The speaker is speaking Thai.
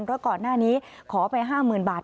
เพราะก่อนหน้านี้ขอไป๕๐๐๐บาท